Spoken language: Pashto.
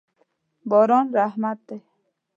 باران رحمت دی.